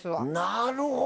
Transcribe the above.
なるほど！